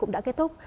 cũng đã kết thúc